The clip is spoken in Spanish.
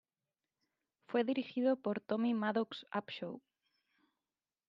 Fue dirigido por Tommy Maddox-Upshaw.